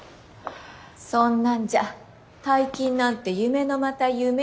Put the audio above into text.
そんなんじゃ大金なんて夢のまた夢よ。